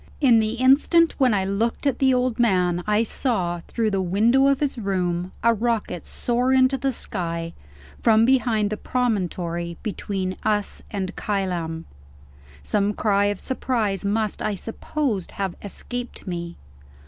In the instant when I looked at the old man, I saw, through the window of his room, a rocket soar into the sky, from behind the promontory between us and Kylam. Some cry of surprise must, I suppose, have escaped me.